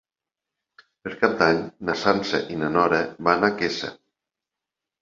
Per Cap d'Any na Sança i na Nora van a Quesa.